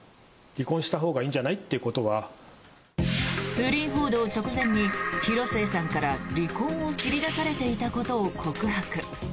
不倫報道直前に広末さんから離婚を切り出されていたことを告白。